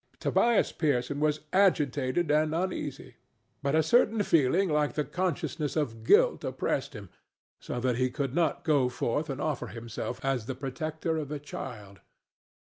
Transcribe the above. Tobias Pearson was agitated and uneasy, but a certain feeling like the consciousness of guilt oppressed him; so that he could not go forth and offer himself as the protector of the child.